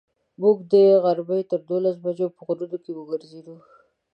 موږ د غرمې تر دولسو بجو په غرونو کې وګرځېدو.